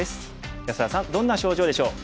安田さんどんな症状でしょう？